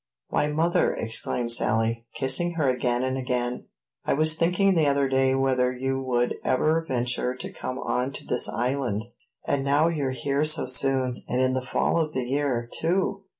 "Why, mother!" exclaimed Sally, kissing her again and again; "I was thinking the other day whether you would ever venture to come on to this island; and now you're here so soon, and in the fall of the year, too!"